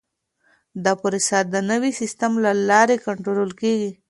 دا پروسه د نوي سیسټم له لارې کنټرول کیږي.